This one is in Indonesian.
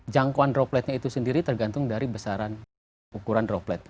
jangkauan dropletnya itu sendiri tergantung dari besaran ukuran droplet